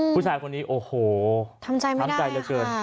ผู้ชายคนนี้โอ้โหทำใจไม่ได้ค่ะ